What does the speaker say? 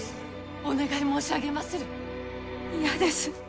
お願い申し上げまする！